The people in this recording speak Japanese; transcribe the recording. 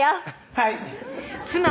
「はい」